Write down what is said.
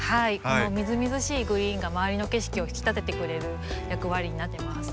このみずみずしいグリーンが周りの景色を引き立ててくれる役割になってます。